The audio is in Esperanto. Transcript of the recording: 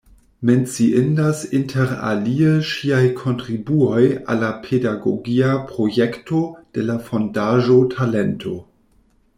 Menciindas interalie ŝiaj kontribuoj al la pedagogia projekto de la fondaĵo Talento.